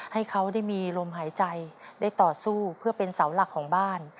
ให้เขาได้มีลมหายใจได้ต่อสู้เพื่อเป็นเสาหลักของบ้าน